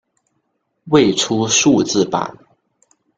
未出数字版。